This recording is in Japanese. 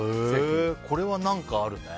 これは何かあるね。